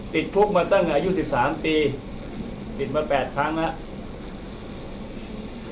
ติดคุกมาตั้งอายุ๑๓ปีติดมา๘ครั้งแล้ว